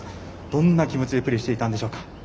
どんな気持ちでプレーしていたんでしょうか。